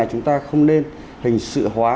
chúng ta không nên hình sự hóa